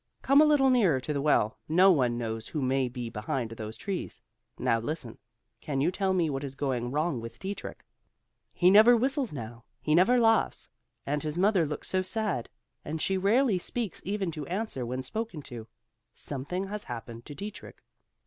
"Come a little nearer to the well; no one knows who may be behind those trees. Now listen; Can you tell me what is going wrong with Dietrich? He never whistles now, he never laughs, and his mother looks so sad, and she rarely speaks even to answer when spoken to. Something has happened to Dietrich."